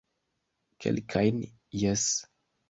Kelkajn, jes